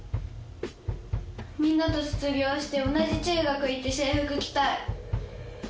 みんなと卒業して同じ中学行って制服着たい。